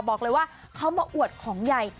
บอกเลยว่าเขามาอวดของใหญ่